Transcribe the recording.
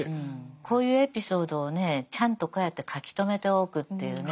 こういうエピソードをねちゃんとこうやって書き留めておくっていうね